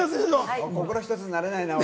心が１つになれないな俺。